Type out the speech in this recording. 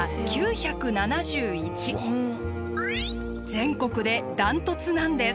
全国でダントツなんです。